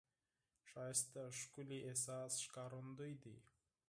ښایست د ښکلي احساس انعکاس دی